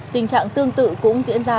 tình trạng tương tự cũng diễn ra